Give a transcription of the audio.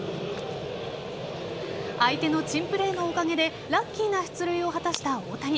相手の珍プレーのおかげでラッキーな出塁を果たした大谷。